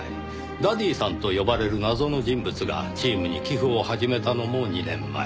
ダディさんと呼ばれる謎の人物がチームに寄付を始めたのも２年前。